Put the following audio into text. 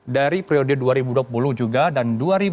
dari periode dua ribu dua puluh juga dan dua ribu dua puluh